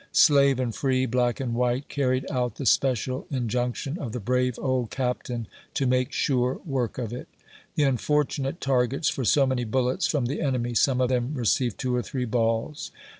Slave and free, black and white, carried out the special injunction of the brave old Captain, to make sure work of it. The unfortunate targets for so many bullets from the enemy, some of them received two or three balls.